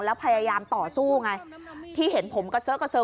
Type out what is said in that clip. แล้วพยายามต่อสู้ไงที่เห็นผมกระเซอะกระเซอ